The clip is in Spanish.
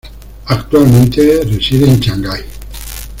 Actualmente reside en Shanghai.